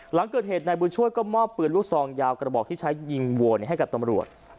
หลังเกิดเหตุนายบุญช่วยก็มอบปืนลูกซองยาวกระบอกที่ใช้ยิงโวให้กับตำรวจ